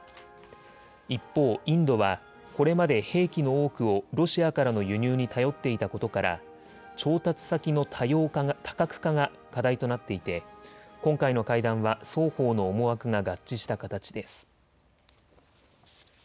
一方、インドはこれまで兵器の多くをロシアからの輸入に頼っていたことから調達先の多角化が課題となっていて今回の会談は双方の思惑が合致した形です。